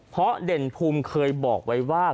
เพราะเด่นภูมิเคยบอกไว้ว่า